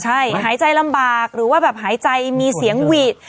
ใช่หายใจลำบากหรือว่าแบบหายใจมีเสียงหวีด